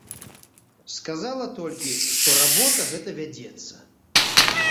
Сказала толькі, што работа гэта вядзецца.